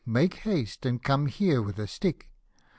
make haste, and / come here with a stick."